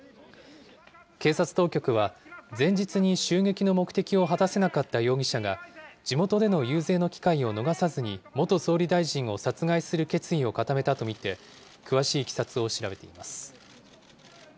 警察当局は、前日に襲撃の目的を果たせなかった容疑者が、地元での遊説の機会を逃さずに、元総理大臣を殺害する決意を固めたと見て、詳しいいきさつを調べています。